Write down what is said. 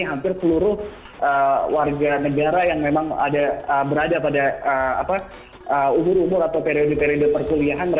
hampir seluruh warga negara yang memang berada pada umur umur atau periode periode perkuliahan